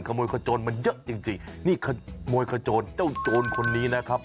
ขโมยขโจนมันเยอะจริงจริงนี่ขโมยขโจรเจ้าโจรคนนี้นะครับ